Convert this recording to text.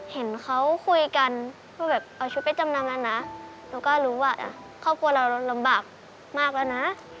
เห็นเขาคุยกันคือแบบเอาชุดไปจำนำแล้วนะหนูก็รู้ว่าครอบครัวเราเราลำบากมากแล้วนะ